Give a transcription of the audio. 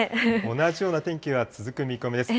同じような天気が続く見込みです。